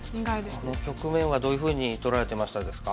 この局面はどういうふうに捉えてましたですか？